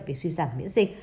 về suy giảm miễn dịch